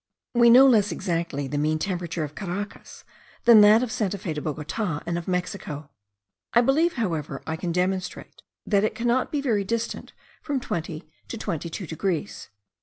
We know less exactly the mean temperature of Caracas, than that of Santa Fe de Bogota and of Mexico. I believe, however, I can demonstrate, that it cannot be very distant from twenty to twenty two degrees.